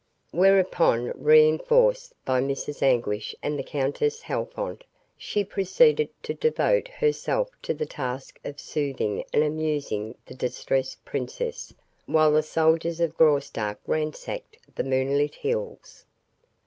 Whereupon, reinforced by Mrs. Anguish and the Countess Halfont, she proceeded to devote herself to the task of soothing and amusing the distressed princess while the soldiers of Graustark ransacked the moonlit hills.